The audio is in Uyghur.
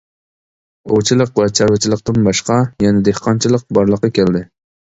ئوۋچىلىق ۋە چارۋىچىلىقتىن باشقا، يەنە دېھقانچىلىق بارلىققا كەلدى.